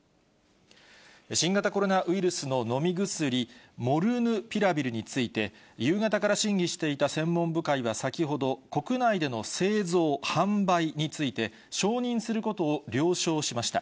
新型コロナウイルスの飲み薬、モルヌピラビルについて、夕方から審議していた専門部会は先ほど、国内での製造・販売について、承認することを了承しました。